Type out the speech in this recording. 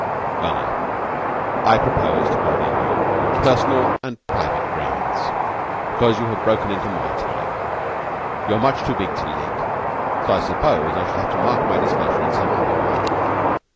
"Well, now, I purpose to bother you, on personal and private grounds, because you have broken into my time. You are much too big to lick, so I suppose I shall have to mark my displeasure in some other way.